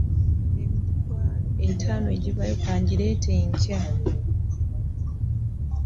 Emitwalo etaano egibulayo ka ngireete enkya.